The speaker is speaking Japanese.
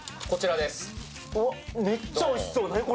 こちらです・何？